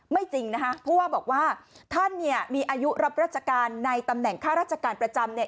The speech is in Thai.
ไม่จริงนะครับเพราะว่าบอกว่าท่านมีอายุรับรัชการในตำแหน่งค่ารัชการประจำ